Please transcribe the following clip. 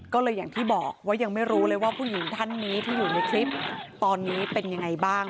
ก็เลยอย่างที่บอกว่ายังไม่รู้เลยว่าผู้หญิงท่านนี้ที่อยู่ในคลิปตอนนี้เป็นยังไงบ้าง